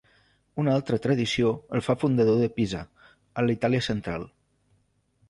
Una altra tradició el fa fundador de Pisa, a la Itàlia central.